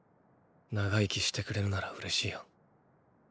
長生きしてくれるなら嬉しいよ。